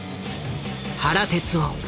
原哲夫。